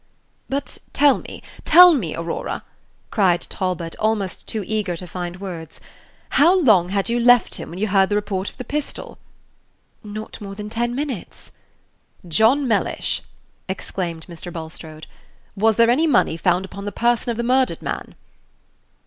"But tell me tell me, Aurora," cried Talbot, almost too eager to find words, "how long had you left him when you heard the report of the pistol?" "Not more than ten minutes." "John Mellish," exclaimed Mr. Bulstrode, "was there any money found upon the person of the murdered man?"